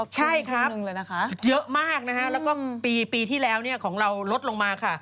ใช่ครับเยอะมากนะคะแล้วก็ปีที่แล้วของเราลดลงมาค่ะ